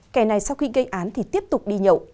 kẻ này sau khi gây án thì tiếp tục đi nhậu